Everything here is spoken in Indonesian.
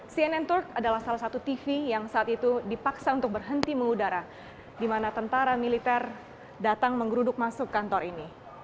cnn turk adalah salah satu tv yang saat itu dipaksa untuk berhenti mengudara di mana tentara militer datang menggeruduk masuk kantor ini